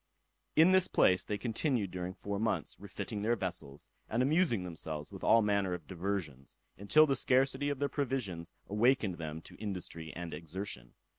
In this place they continued during four months, refitting their vessels, and amusing themselves with all manner of diversions, until the scarcity of their provisions awakened them to industry and exertion.